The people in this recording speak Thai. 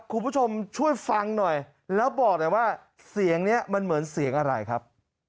คุณผู้ชมช่วยฟังหน่อยแล้วบอกหน่อยว่าเสียงนี้มันเหมือนเสียงอะไรครับ